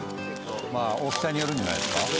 まあ大きさによるんじゃないですか？